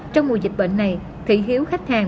trong mùa dịch bệnh này thị hiếu khách hàng